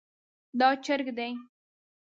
دا چرګ دی